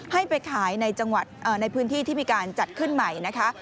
ให้ไปขายในพื้นที่ที่มีการจัดขึ้นใหม่นะคะ